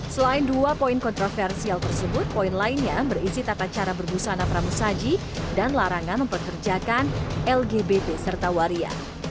selain dua poin kontroversial tersebut poin lainnya berisi tata cara berbusana pramusaji dan larangan memperkerjakan lgbp serta waria